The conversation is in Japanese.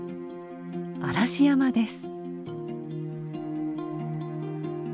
嵐山です。